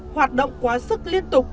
hoạt động quá sức liên tục